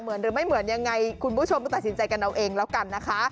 หรือไม่เหมือนยังไงคุณผู้ชมก็ตัดสินใจกันเอาเองแล้วกันนะคะ